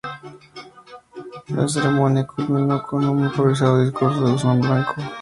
La ceremonia culminó con un improvisado discurso de Guzmán Blanco.